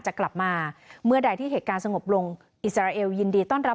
จะกลับมาเมื่อใดที่เหตุการณ์สงบลงอิสราเอลยินดีต้อนรับ